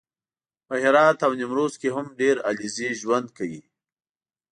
په هرات او نیمروز کې هم ډېر علیزي ژوند کوي